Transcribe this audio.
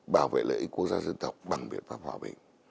bảo vệ lợi ích quốc gia dân tộc bằng biện pháp hòa bình